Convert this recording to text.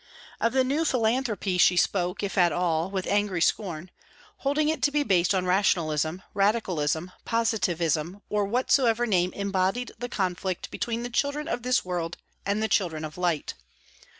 Of the new philanthropy she spoke, if at all, with angry scorn, holding it to be based on rationalism, radicalism, positivism, or whatsoever name embodied the conflict between the children of this world and the children of light.